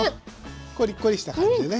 コリコリした感じでね。